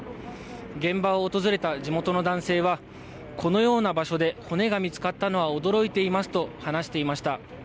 現場を訪れた地元の男性はこのような場所で骨が見つかったのは驚いていますと話していました。